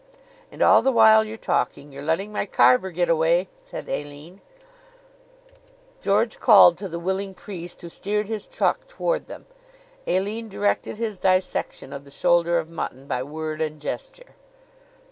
"And all the while you're talking you're letting my carver get away," said Aline. George called to the willing priest, who steered his truck toward them. Aline directed his dissection of the shoulder of mutton by word and gesture.